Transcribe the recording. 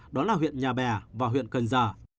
đó là huyện nhà bè và huyện cần giả